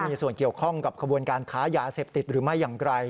มีส่วนเกี่ยวข้องกับขบวนการค้ายาเสพติดหรือไม่อย่างไร